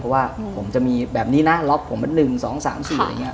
เพราะว่าผมจะมีแบบนี้นะล็อกผมเป็น๑๒๓๔อะไรอย่างนี้